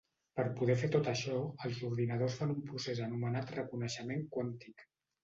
Per poder fer tot això, els ordinadors fan un procés anomenat Reconeixement quàntic.